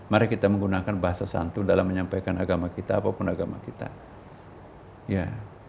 mari kita menggunakan bahasa santun dalam menyampaikan agama kita apapun agama kita